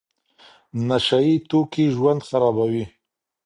نشه يي توکي ژوند خرابوي.